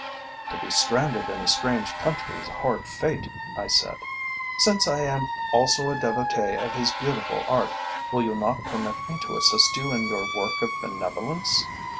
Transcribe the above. "To be stranded in a strange country is a hard fate," I said. "Since I am also a devotee of his beautiful art, will you not permit me to assist you in your work of benevolence.